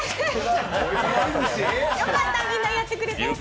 よかった、みんな言ってくれて。